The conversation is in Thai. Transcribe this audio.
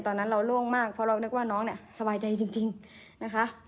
ตอนนั้นเราล่วงมากเพราะเรานึกว่าน้องเนี่ยสบายใจจริงนะคะ